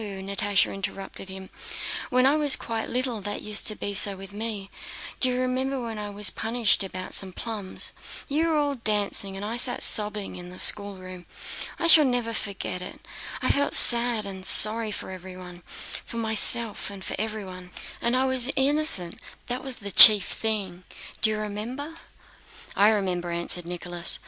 Natásha interrupted him. "When I was quite little that used to be so with me. Do you remember when I was punished once about some plums? You were all dancing, and I sat sobbing in the schoolroom? I shall never forget it: I felt sad and sorry for everyone, for myself, and for everyone. And I was innocent—that was the chief thing," said Natásha. "Do you remember?" "I remember," answered Nicholas.